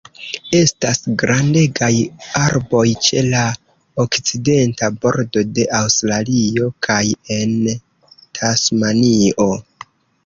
Estas grandegaj arboj ĉe la okcidenta bordo de Aŭstralio kaj en Tasmanio.